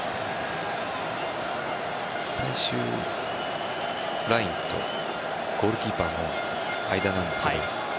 最終ラインとゴールキーパーの間なんですけど。